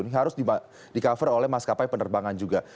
ini harus di cover oleh maskapai penerbangan juga